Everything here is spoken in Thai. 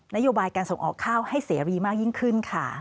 นโยบายการส่งออกข้าวให้เสรีมากยิ่งขึ้นค่ะ